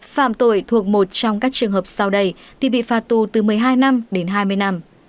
phạm tội thuộc một trong các trường hợp sau đây thì bị phạt tù từ một mươi hai năm đến hai mươi năm